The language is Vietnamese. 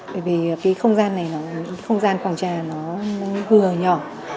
bởi vì cái không gian này không gian khoảng trà nó hừa nhỏ